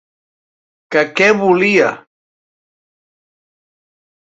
Que què volia?!